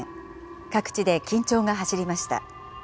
各地で緊張が走りました。